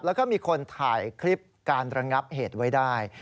แล้วก็มีคนถ่ายคลิปการระงับเหตุไว้ได้